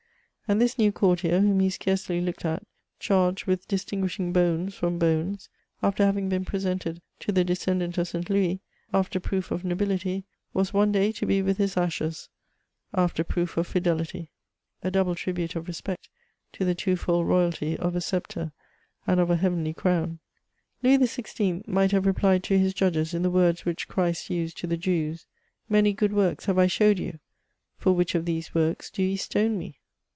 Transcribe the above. And this new courtier, whom he scarcely looked at, charged with distinguishing bones from bones, after having been presented to the descendant of St. Louis, after proof of nobility, was one day to be with his ashes, after proof of fidelity !— ^a double tribute of respect to the twofold royalty of a sceptre, and of a heavenly crown ! Louis XVI. might have replied to his judges in the words which Christ used to the Jews, " Many good works have I showed you ; for which of these works do ye stone me